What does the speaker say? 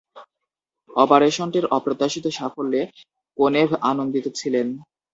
অপারেশনটির অপ্রত্যাশিত সাফল্যে কোনেভ আনন্দিত ছিলেন।